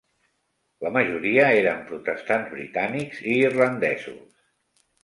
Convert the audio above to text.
La majoria eren protestants britànics i irlandesos.